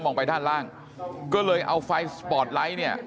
องไปด้านล่างก็เลยเอาไฟสปอร์ตไลท์เนี่ย